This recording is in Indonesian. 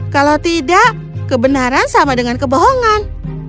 kalau tidak kebenaran sama dengan kebohongan